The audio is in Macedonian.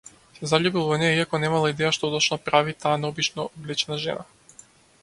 Се заљубила во неа, иако немала идеја што точно прави таа необично облечена жена.